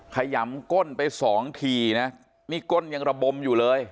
ขยำก้นไปสองทีนะนี่ก้นยังระบมอยู่เลย